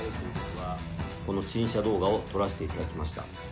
この陳謝動画を撮らせていただきました。